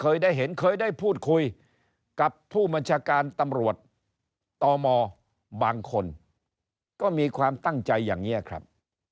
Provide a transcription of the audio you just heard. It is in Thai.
เคยได้เห็นเคยได้พูดคุยกับผู้บัญชาการตำรวจตมบางคนก็มีความตั้งใจอย่างนี้ครับ